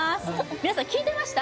皆さん聞いてました？